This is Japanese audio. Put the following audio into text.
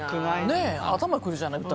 ねえ頭にくるじゃない？